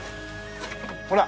ほら！